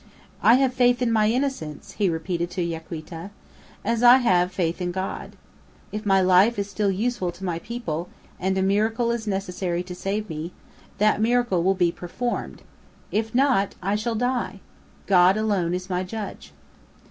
"I have faith in my innocence," he repeated to Yaquita, "as I have faith in God. If my life is still useful to my people, and a miracle is necessary to save me, that miracle will be performed; if not, I shall die! God alone is my judge!"